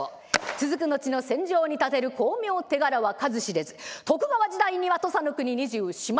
続く後の戦場に立てる功名手柄は数知れず徳川時代には土佐の国２４万